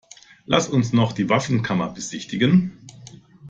Lass uns noch die Waffenkammer besichtigen.